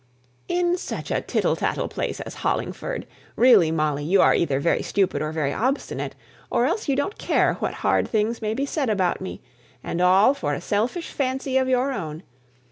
"In such a tittle tattle place as Hollingford! Really, Molly, you are either very stupid or very obstinate, or else you don't care what hard things may be said about me: and all for a selfish fancy of your own!